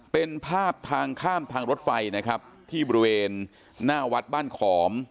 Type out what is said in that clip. เป็นภาพทางข้ามทางรถไฟนะครับที่บริเวณหน้าวัดบ้านขอม